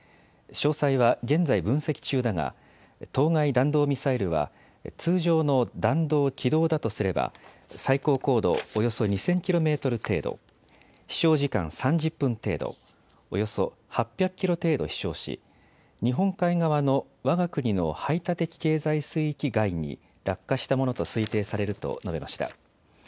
詳細は現在分析中だが当該弾道ミサイルは通常の弾道軌道だとすれば最高高度およそ２０００ｋｍ程度、飛しょう時間３０分程度、およそ８００キロ程度飛しょうし日本海側のわが国の排他的経済水域外に落下したものと推定されると述べました。